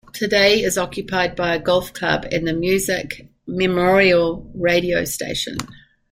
Today it is occupied by a golf club and the Musick Memorial Radio Station.